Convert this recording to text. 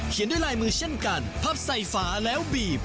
ด้วยลายมือเช่นกันพับใส่ฝาแล้วบีบ